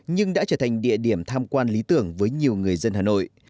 nhưng đã trở thành địa điểm tham quan lý tưởng với nhiều người dân hà nội